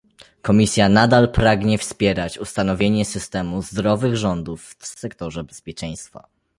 Komisja nadal pragnie wspierać ustanowienie systemu zdrowych rządów w sektorze bezpieczeństwa